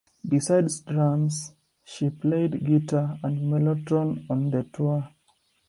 Besides drums, she played guitar and mellotron on the tour.